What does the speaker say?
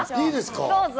どうぞ。